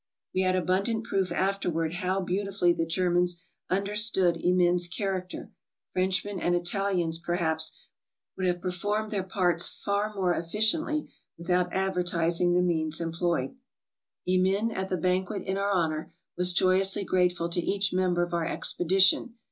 We had abundant proof afterward how beautifully the Germans understood Emin's character. Frenchmen and Italians, perhaps, would have performed their parts far more efficiently without advertising the means employed. Emin at the banquet in our honor was joyously grateful to each member of our expedition.